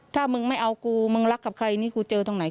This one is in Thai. ถ้ามึงไม่เอากูมึงรักกับใครนี่กูเจอตรงไหน